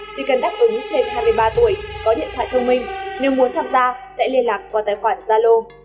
chỉ cần đắc ứng trên hai mươi ba tuổi có điện thoại thông minh nếu muốn tham gia sẽ liên lạc qua tài khoản zalo